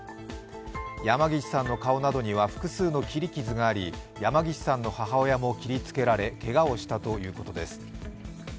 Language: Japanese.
山岸さんの顔などには複数の切り傷があり、山岸さんの母親も切りつけられ、けがをしたということです。